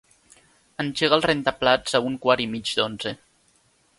Engega el rentaplats a un quart i mig d'onze.